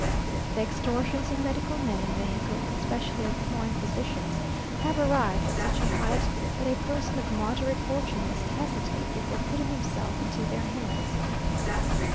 The extortions of medical men in Mexico, especially of foreign physicians, have arrived at such a height, that a person of moderate fortune must hesitate before putting himself into their hands.